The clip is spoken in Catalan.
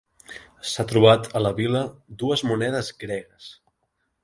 S'ha trobat a la vila dues monedes gregues.